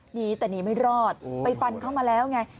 หนีแต่หนีไม่รอดไปฟันเข้ามาแล้วไง